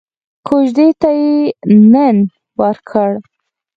کوژدې ته يې تن ورکړ.